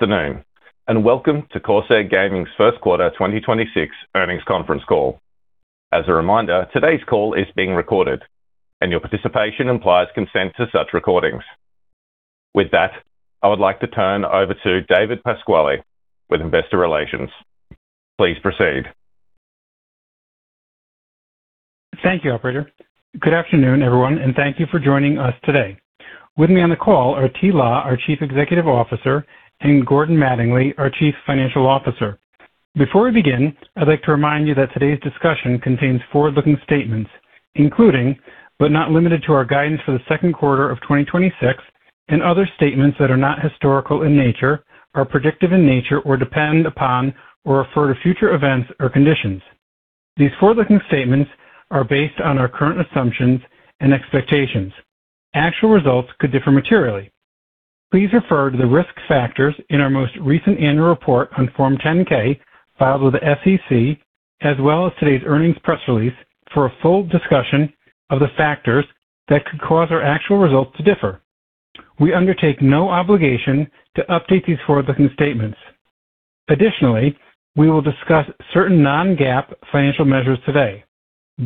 Afternoon, welcome to Corsair Gaming's first quarter 2026 earnings conference call. As a reminder, today's call is being recorded, your participation implies consent to such recordings. With that, I would like to turn over to David Pasquale with Investor Relations. Please proceed. Thank you, operator. Good afternoon, everyone, and thank you for joining us today. With me on the call are Thi La, our Chief Executive Officer, and Gordon Mattingly, our Chief Financial Officer. Before we begin, I'd like to remind you that today's discussion contains forward-looking statements, including, but not limited to, our guidance for the second quarter of 2026 and other statements that are not historical in nature, are predictive in nature, or depend upon or refer to future events or conditions. These forward-looking statements are based on our current assumptions and expectations. Actual results could differ materially. Please refer to the risk factors in our most recent annual report on Form 10-K filed with the SEC, as well as today's earnings press release for a full discussion of the factors that could cause our actual results to differ. We undertake no obligation to update these forward-looking statements. Additionally, we will discuss certain non-GAAP financial measures today.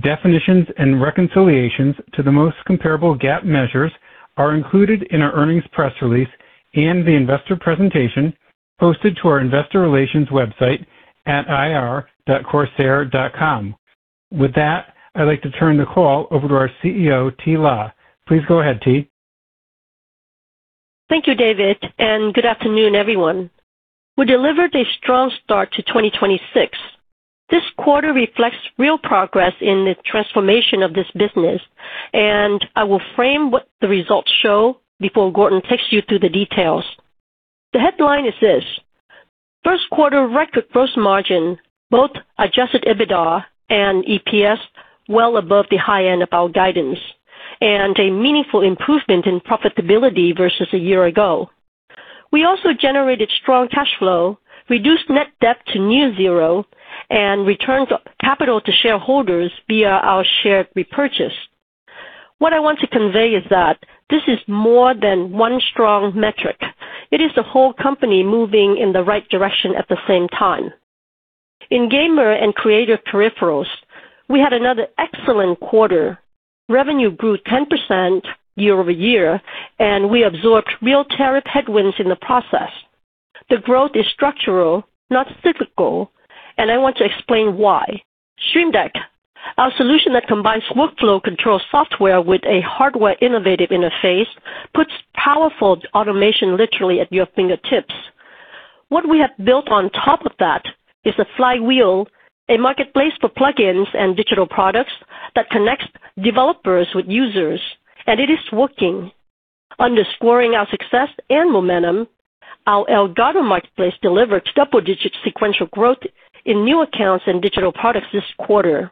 Definitions and reconciliations to the most comparable GAAP measures are included in our earnings press release and the investor presentation posted to our investor relations website at ir.corsair.com. With that, I'd like to turn the call over to our CEO, Thi La. Please go ahead, Thi. Thank you, David. Good afternoon, everyone. We delivered a strong start to 2026. This quarter reflects real progress in the transformation of this business, and I will frame what the results show before Gordon takes you through the details. The headline is this: first quarter record gross margin, both adjusted EBITDA and EPS well above the high end of our guidance, and a meaningful improvement in profitability versus a year ago. We also generated strong cash flow, reduced net debt to near zero, and returned capital to shareholders via our share repurchase. What I want to convey is that this is more than one strong metric. It is the whole company moving in the right direction at the same time. In gamer and creator peripherals, we had another excellent quarter. Revenue grew 10% year-over-year, and we absorbed real tariff headwinds in the process. The growth is structural, not cyclical, and I want to explain why. Stream Deck, our solution that combines workflow control software with a hardware innovative interface, puts powerful automation literally at your fingertips. What we have built on top of that is a flywheel, a marketplace for plug-ins and digital products that connects developers with users, and it is working. Underscoring our success and momentum, our Elgato Marketplace delivered double-digit sequential growth in new accounts and digital products this quarter.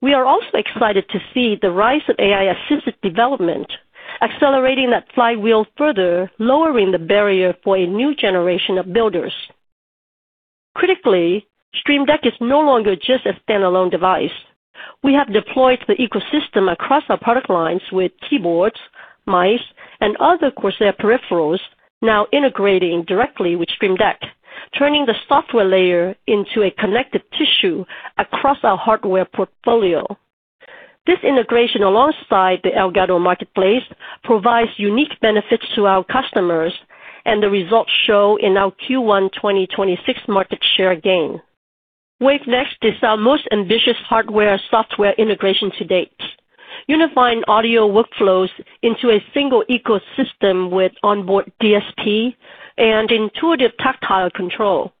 We are also excited to see the rise of AI-assisted development, accelerating that flywheel further, lowering the barrier for a new generation of builders. Critically, Stream Deck is no longer just a standalone device. We have deployed the ecosystem across our product lines with keyboards, mice, and other Corsair peripherals now integrating directly with Stream Deck, turning the software layer into a connective tissue across our hardware portfolio. This integration, alongside the Elgato Marketplace, provides unique benefits to our customers, and the results show in our Q1 2026 market share gain. Wave Next is our most ambitious hardware-software integration to date, unifying audio workflows into a single ecosystem with onboard DSP and intuitive tactile control.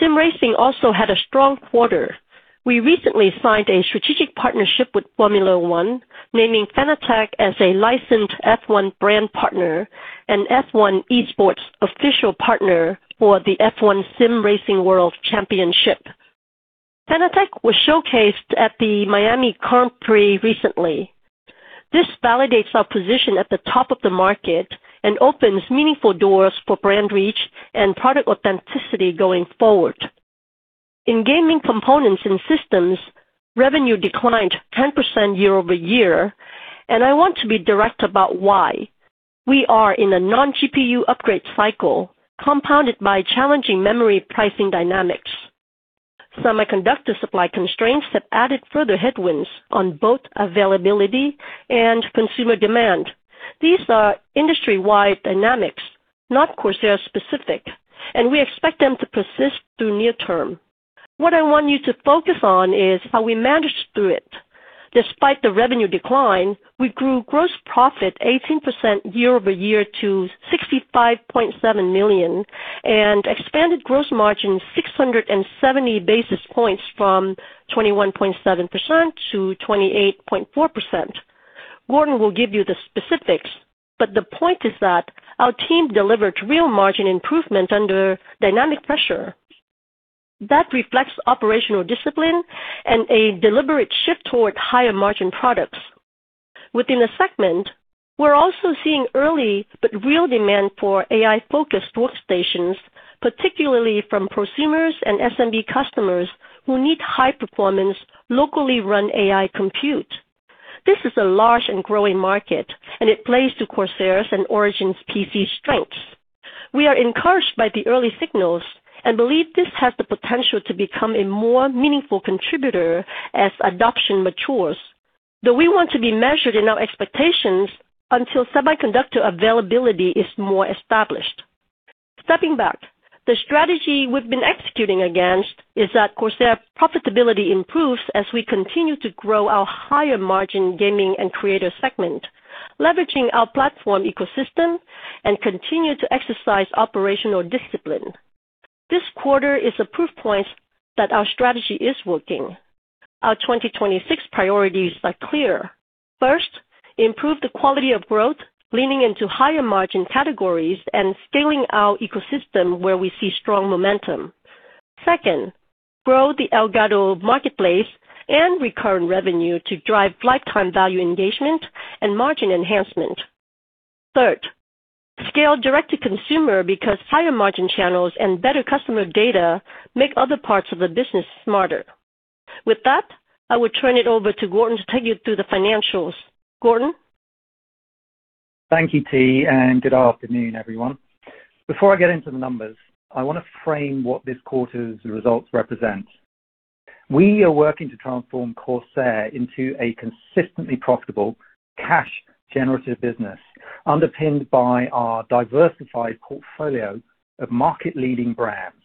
Sim racing also had a strong quarter. We recently signed a strategic partnership with Formula One, naming Fanatec as a licensed F1 brand partner and F1 esports official partner for the F1 Sim Racing World Championship. Fanatec was showcased at the Miami Grand Prix recently. This validates our position at the top of the market and opens meaningful doors for brand reach and product authenticity going forward. In gaming components and systems, revenue declined 10% year-over-year, and I want to be direct about why. We are in a non-GPU upgrade cycle, compounded by challenging memory pricing dynamics. Semiconductor supply constraints have added further headwinds on both availability and consumer demand. These are industry-wide dynamics, not Corsair specific, and we expect them to persist through near-term. What I want you to focus on is how we managed through it. Despite the revenue decline, we grew gross profit 18% year-over-year to $65.7 million and expanded gross margin 670 basis points from 21.7%-28.4%. Gordon will give you the specifics, but the point is that our team delivered real margin improvement under dynamic pressure. That reflects operational discipline and a deliberate shift toward higher margin products. Within the segment, we're also seeing early but real demand for AI-focused workstations, particularly from prosumers and SMB customers who need high performance, locally run AI compute. This is a large and growing market, and it plays to Corsair's and ORIGIN PC strengths. We are encouraged by the early signals and believe this has the potential to become a more meaningful contributor as adoption matures. Though we want to be measured in our expectations until semiconductor availability is more established. Stepping back, the strategy we've been executing against is that Corsair profitability improves as we continue to grow our higher margin gaming and creative segment, leveraging our platform ecosystem and continue to exercise operational discipline. This quarter is a proof point that our strategy is working. Our 2026 priorities are clear. First, improve the quality of growth, leaning into higher margin categories and scaling our ecosystem where we see strong momentum. Second, grow the Elgato Marketplace and recurring revenue to drive lifetime value engagement and margin enhancement. Third, scale direct-to-consumer because higher margin channels and better customer data make other parts of the business smarter. With that, I will turn it over to Gordon to take you through the financials. Gordon? Thank you, Thi. Good afternoon, everyone. Before I get into the numbers, I want to frame what this quarter's results represent. We are working to transform Corsair into a consistently profitable cash-generative business, underpinned by our diversified portfolio of market-leading brands.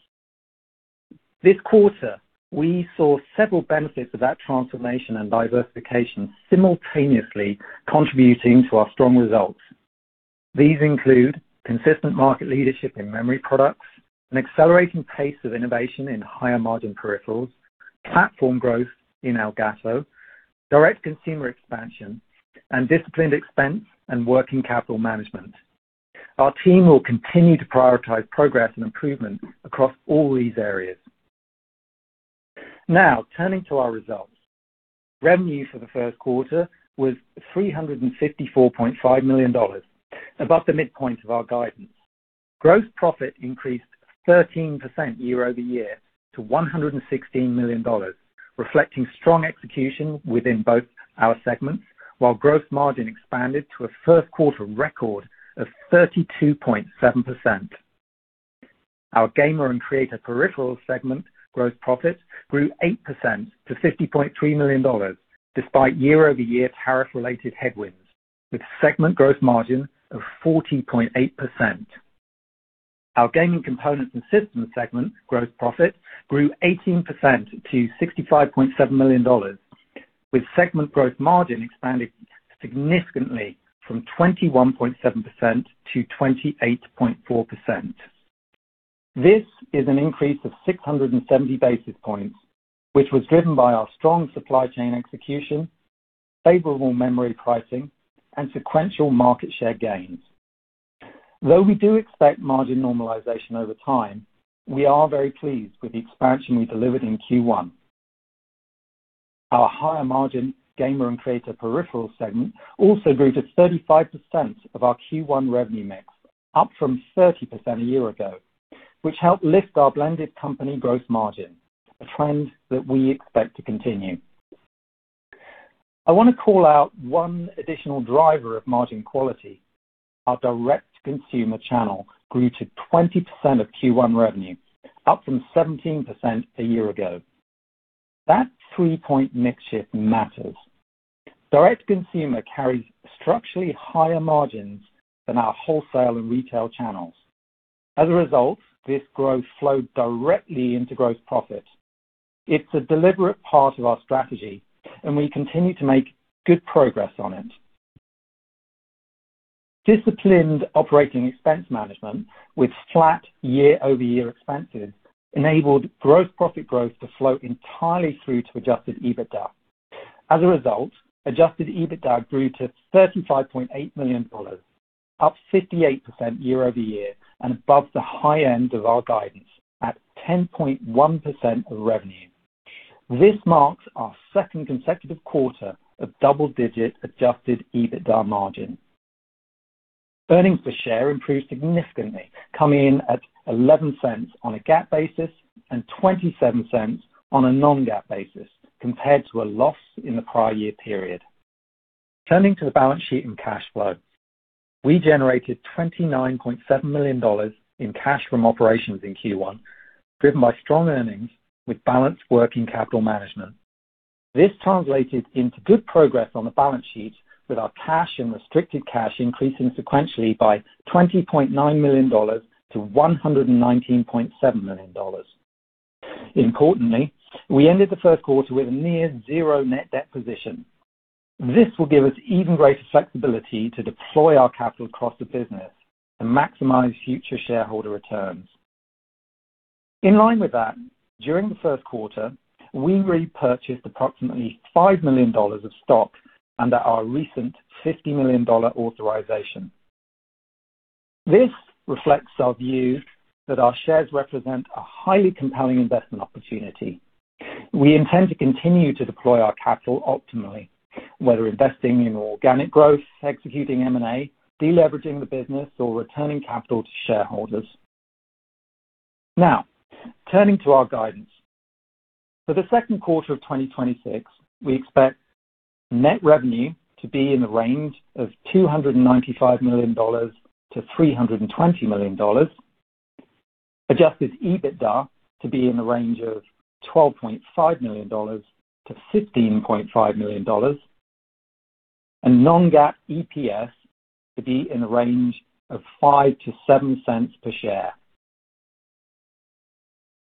This quarter, we saw several benefits of that transformation and diversification simultaneously contributing to our strong results. These include consistent market leadership in memory products, an accelerating pace of innovation in higher margin peripherals, platform growth in Elgato, direct consumer expansion, and disciplined expense and working capital management. Our team will continue to prioritize progress and improvement across all these areas. Turning to our results. Revenue for the first quarter was $354.5 million, above the midpoint of our guidance. Gross profit increased 13% year-over-year to $116 million, reflecting strong execution within both our segments, while gross margin expanded to a first quarter record of 32.7%. Our gamer and creator peripherals segment gross profit grew 8% to $50.3 million despite year-over-year tariff related headwinds, with segment gross margin of 14.8%. Our gaming components and systems segment gross profit grew 18% to $65.7 million, with segment gross margin expanding significantly from 21.7%-28.4%. This is an increase of 670 basis points, which was driven by our strong supply chain execution, favorable memory pricing, and sequential market share gains. Though we do expect margin normalization over time, we are very pleased with the expansion we delivered in Q1. Our higher margin gamer and creator peripherals segment also grew to 35% of our Q1 revenue mix, up from 30% a year ago, which helped lift our blended company gross margin, a trend that we expect to continue. I want to call out one additional driver of margin quality. Our direct-to-consumer channel grew to 20% of Q1 revenue, up from 17% a year ago. That three-point mix shift matters. Direct-to-consumer carries structurally higher margins than our wholesale and retail channels. As a result, this growth flowed directly into gross profit. It's a deliberate part of our strategy, and we continue to make good progress on it. Disciplined operating expense management with flat year-over-year expenses enabled gross profit growth to flow entirely through to adjusted EBITDA. As a result, adjusted EBITDA grew to $35.8 million, up 58% year-over-year and above the high end of our guidance at 10.1% of revenue. This marks our second consecutive quarter of double-digit adjusted EBITDA margin. Earnings per share improved significantly, coming in at $0.11 on a GAAP basis and $0.27 on a non-GAAP basis compared to a loss in the prior year period. Turning to the balance sheet and cash flow. We generated $29.7 million in cash from operations in Q1, driven by strong earnings with balanced working capital management. This translated into good progress on the balance sheet with our cash and restricted cash increasing sequentially by $20.9 million-$119.7 million. Importantly, we ended the first quarter with a near zero net debt position. This will give us even greater flexibility to deploy our capital across the business and maximize future shareholder returns. In line with that, during the first quarter, we repurchased approximately $5 million of stock under our recent $50 million authorization. This reflects our view that our shares represent a highly compelling investment opportunity. We intend to continue to deploy our capital optimally, whether investing in organic growth, executing M&A, deleveraging the business, or returning capital to shareholders. Turning to our guidance. For the second quarter of 2026, we expect net revenue to be in the range of $295 million-$320 million, adjusted EBITDA to be in the range of $12.5 million-$15.5 million, and non-GAAP EPS to be in the range of $0.05-$0.07 per share.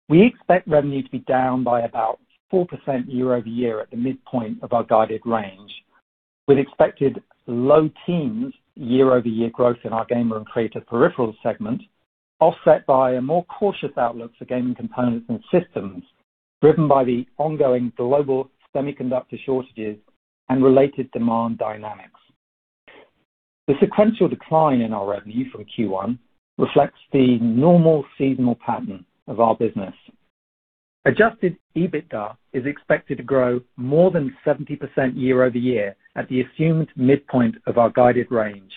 We expect revenue to be down by about 4% year-over-year at the midpoint of our guided range, with expected low teens year-over-year growth in our gamer and creator peripheral segment, offset by a more cautious outlook for gaming components and systems, driven by the ongoing global semiconductor shortages and related demand dynamics. The sequential decline in our revenue from Q1 reflects the normal seasonal pattern of our business. Adjusted EBITDA is expected to grow more than 70% year-over-year at the assumed midpoint of our guided range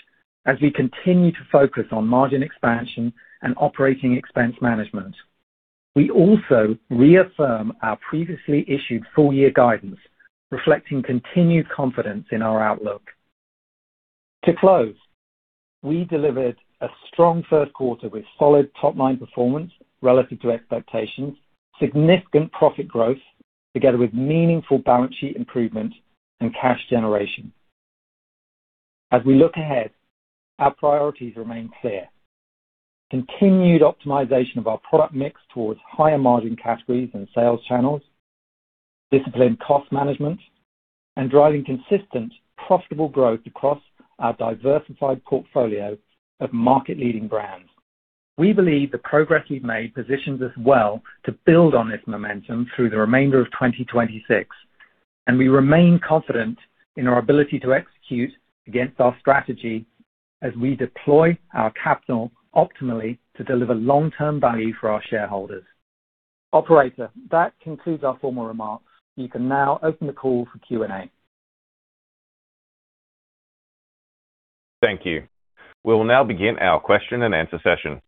as we continue to focus on margin expansion and operating expense management. We also reaffirm our previously issued full-year guidance, reflecting continued confidence in our outlook. To close, we delivered a strong first quarter with solid top-line performance relative to expectations, significant profit growth, together with meaningful balance sheet improvement and cash generation. As we look ahead, our priorities remain clear. Continued optimization of our product mix towards higher margin categories and sales channels, disciplined cost management, and driving consistent profitable growth across our diversified portfolio of market-leading brands. We believe the progress we've made positions us well to build on this momentum through the remainder of 2026, and we remain confident in our ability to execute against our strategy as we deploy our capital optimally to deliver long-term value for our shareholders. Operator, that concludes our formal remarks. You can now open the call for Q&A. Thank you. We will now begin our question-and-answer session.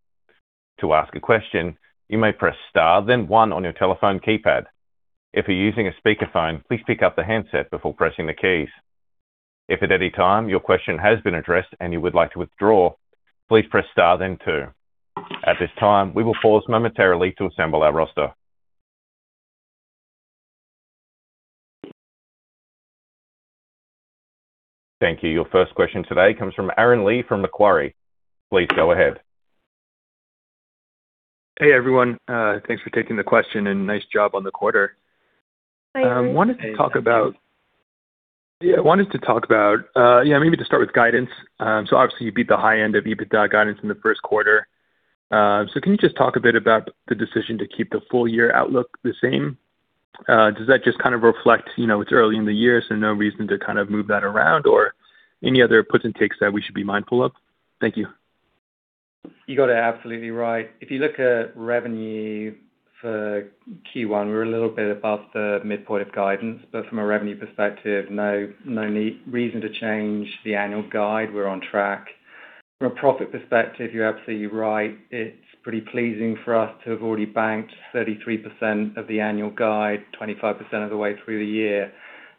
Thank you. Your first question today comes from Aaron Lee from Macquarie. Please go ahead. Hey, everyone. Thanks for taking the question and nice job on the quarter. Hi, Aaron. Yeah, wanted to talk about, yeah, maybe to start with guidance. Obviously, you beat the high end of EBITDA guidance in the first quarter. Can you just talk a bit about the decision to keep the full-year outlook the same? Does that just kind of reflect, you know, it's early in the year, so no reason to kind of move that around or any other puts and takes that we should be mindful of? Thank you. You got it absolutely right. If you look at revenue for Q1, we're a little bit above the midpoint of guidance, but from a revenue perspective, no reason to change the annual guide. We're on track. From a profit perspective, you're absolutely right. It's pretty pleasing for us to have already banked 33% of the annual guide, 25% of the way through the year.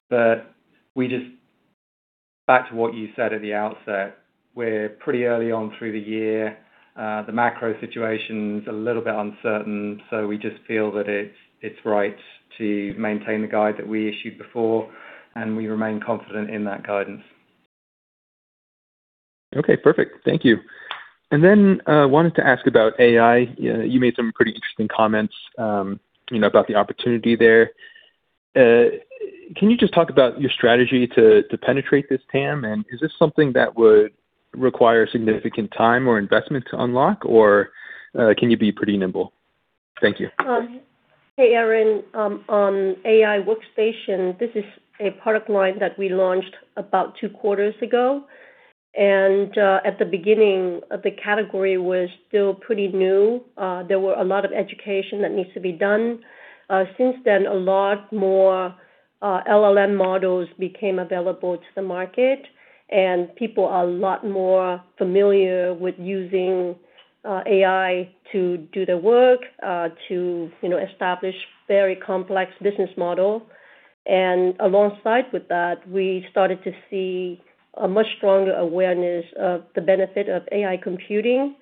But back to what you said at the outset, we're pretty early on through the year. The macro situation's a little bit uncertain, so we just feel that it's right to maintain the guide that we issued before, and we remain confident in that guidance. Okay, perfect. Thank you. Wanted to ask about AI. You know, you made some pretty interesting comments, you know, about the opportunity there. Can you just talk about your strategy to penetrate this TAM? Is this something that would require significant time or investment to unlock, or can you be pretty nimble? Thank you. Hey, Aaron. On AI workstation, this is a product line that we launched about two quarters ago. At the beginning of the category was still pretty new. There were a lot of education that needs to be done. Since then, a lot more LLM models became available to the market, and people are a lot more familiar with using AI to do their work, to, you know, establish very complex business model. Alongside with that, we started to see a much stronger awareness of the benefit of AI computing.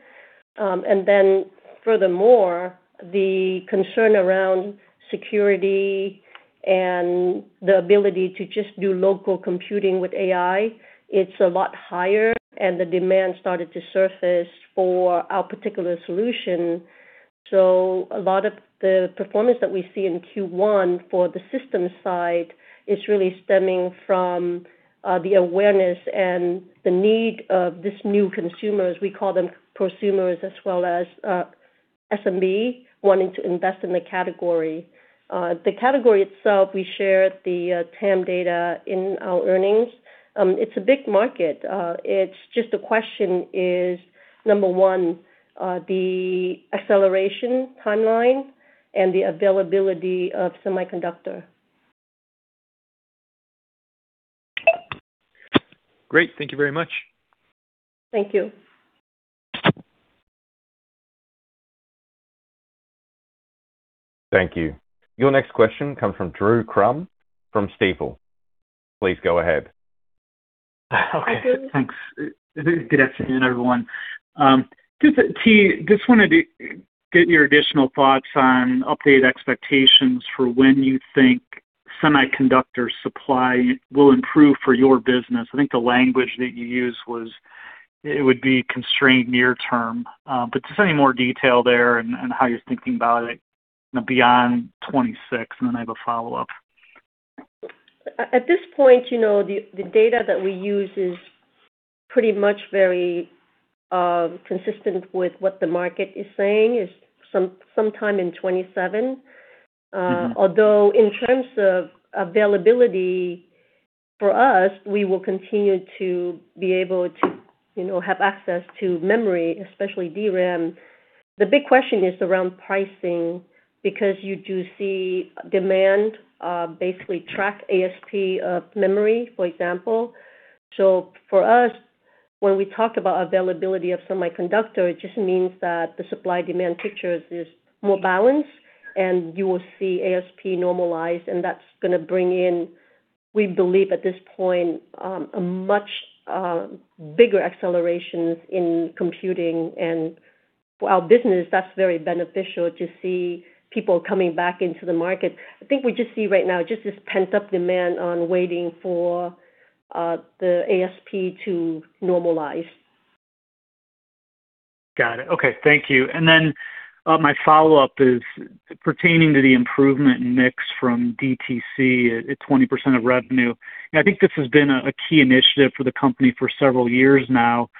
Furthermore, the concern around security and the ability to just do local computing with AI, it's a lot higher, and the demand started to surface for our particular solution. A lot of the performance that we see in Q1 for the system side is really stemming from the awareness and the need of this new consumers, we call them prosumers, as well as SMB wanting to invest in the category. The category itself, we shared the TAM data in our earnings. It's a big market. It's just a question is, number one, the acceleration timeline and the availability of semiconductor. Great. Thank you very much. Thank you. Thank you. Your next question comes from Drew Crum from Stifel. Please go ahead. Hi, Drew. Okay, thanks. Good afternoon, everyone. Thi, just wanted to get your additional thoughts on updated expectations for when you think semiconductor supply will improve for your business. I think the language that you used was, it would be constrained near-term. Just any more detail there and how you're thinking about it beyond 2026, and then I have a follow-up. At this point, you know, the data that we use is pretty much very consistent with what the market is saying, sometime in 2027. Although in terms of availability for us, we will continue to be able to, you know, have access to memory, especially DRAM. The big question is around pricing, because you do see demand, basically track ASP of memory, for example. For us, when we talk about availability of semiconductor, it just means that the supply-demand picture is more balanced and you will see ASP normalize, and that's gonna bring in, we believe at this point, a much bigger accelerations in computing. For our business, that's very beneficial to see people coming back into the market. I think we just see right now just this pent-up demand on waiting for the ASP to normalize. Got it. Okay. Thank you. My follow-up is pertaining to the improvement in mix from DTC at 20% of revenue. I think this has been a key initiative for the company for several years now.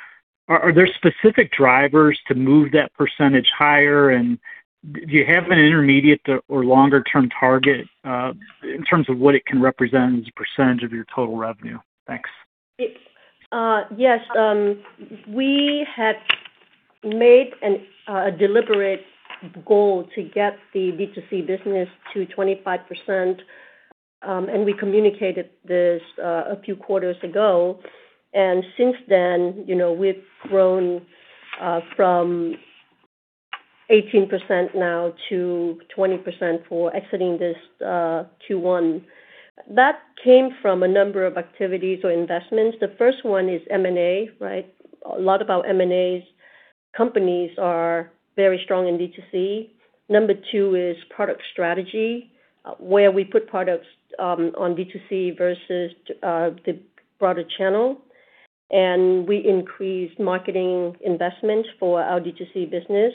Are there specific drivers to move that percentage higher? Do you have an intermediate or longer-term target in terms of what it can represent as a percentage of your total revenue? Thanks. It yes. We have made a deliberate goal to get the B2C business to 25%, and we communicated this a few quarters ago. Since then, you know, we've grown from 18% now to 20% for exiting this Q1. That came from a number of activities or investments. The first one is M&A, right? A lot of our M&As companies are very strong in B2C. Number two is product strategy, where we put products on B2C versus the broader channel, and we increased marketing investments for our B2C business.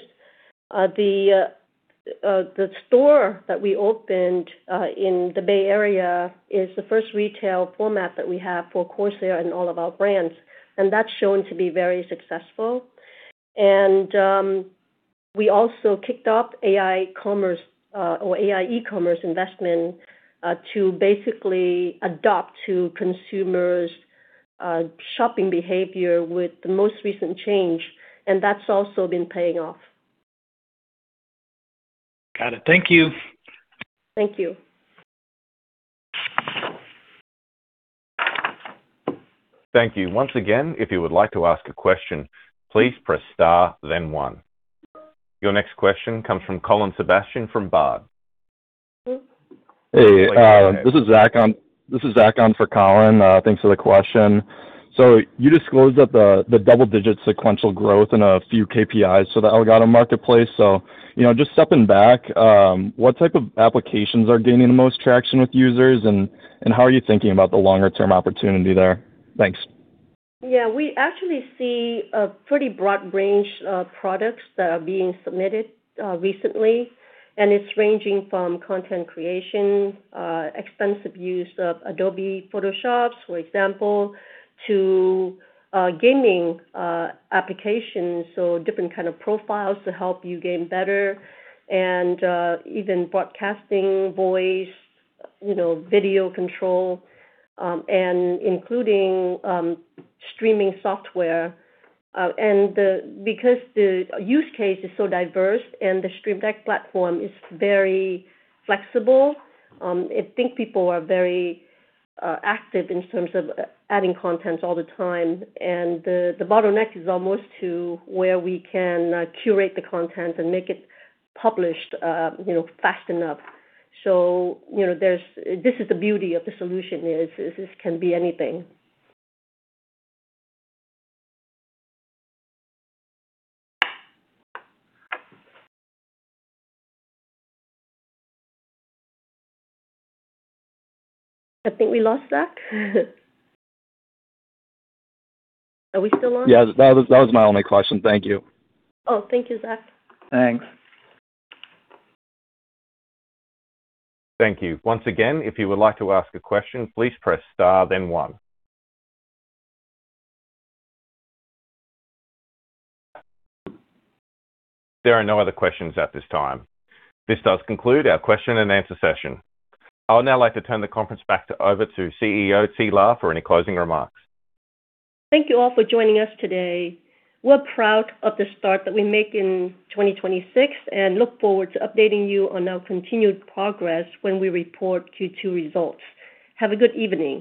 The store that we opened in the Bay Area is the first retail format that we have for Corsair and all of our brands, and that's shown to be very successful. We also kicked off AI commerce, or AI e-commerce investment, to basically adapt to consumers' shopping behavior with the most recent change, and that's also been paying off. Got it. Thank you. Thank you. Thank you. Once again, if you would like to ask a question, please press star then one. Your next question comes from Colin Sebastian from Baird. Hey, this is Zach on for Colin. Thanks for the question. You disclosed that the double-digit sequential growth in a few KPIs for the Elgato Marketplace. You know, just stepping back, what type of applications are gaining the most traction with users, and how are you thinking about the longer-term opportunity there? Thanks. Yeah. We actually see a pretty broad range of products that are being submitted recently, and it's ranging from content creation, extensive use of Adobe Photoshop, for example, to gaming applications, so different kind of profiles to help you game better and even broadcasting voice, you know, video control, and including streaming software. Because the use case is so diverse and the Stream Deck platform is very flexible, I think people are very active in terms of adding content all the time. The bottleneck is almost to where we can curate the content and make it published, you know, fast enough. You know, this is the beauty of the solution is this can be anything. I think we lost Zach. Are we still on? Yeah, that was my only question. Thank you. Oh, thank you, Zach. Thanks. Thank you. Once again, if you would like to ask a question, please press star then one. There are no other questions at this time. This does conclude our question and answer session. I would now like to turn the conference back over to CEO Thi La for any closing remarks. Thank you all for joining us today. We're proud of the start that we make in 2026 and look forward to updating you on our continued progress when we report Q2 results. Have a good evening.